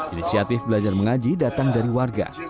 inisiatif belajar mengaji datang dari warga